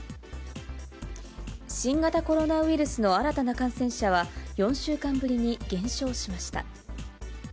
新型コロナウイルスの新たな感染者は、４週間ぶりに減少しました。